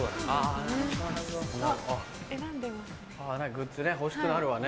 グッズね欲しくなるわね